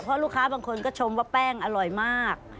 เพราะลูกค้าบางคนก็ชมว่าแป้งอร่อยมาก